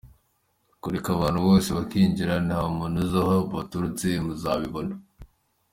Kureka abantu bose bakinjira, nta muntu uzi aho baturutse, muzabibona.